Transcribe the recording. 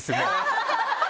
ハハハハ！